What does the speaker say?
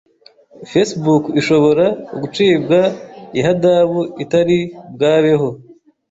Facebook ishobora gucibwa ihadabu itari bwabeho